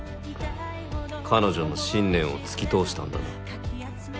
彼女の信念を突き通したんだな。